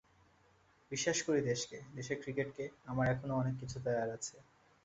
বিশ্বাস করি দেশকে, দেশের ক্রিকেটকে আমার এখনো অনেক কিছু দেয়ার আছে।